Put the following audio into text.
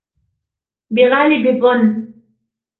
بِغَالِبِ الظَّنِّ